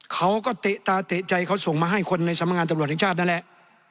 เขาก็เตะตาเตะใจเขาส่งมาให้คนในสำนักงานตำรวจแห่งชาตินั่นแหละ